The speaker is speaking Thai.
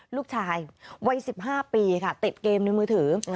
ลูกชายวัยสิบห้าปีค่ะเตะเกมในมือถือ